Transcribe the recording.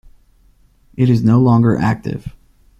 It is no longer active.